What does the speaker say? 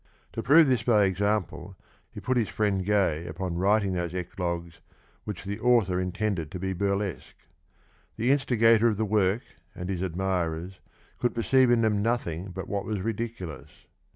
To prove this by example he put his friend Gay upon writing those Eclogues which the author intended to be burlesque. The instigator of the work, and his admirers, could perceive in them nothing but what was ridiculous.